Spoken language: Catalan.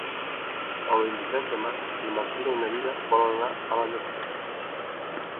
El vint-i-tres de maig na Martina i na Mira volen anar a la Llacuna.